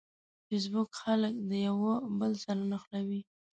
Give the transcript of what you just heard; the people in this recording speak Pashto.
فېسبوک خلک د یوه بل سره نښلوي.